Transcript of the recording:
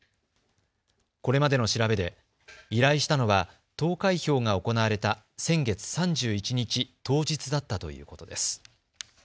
これまでの調べで依頼したのは投開票が行われた先月３１日当日だったということです。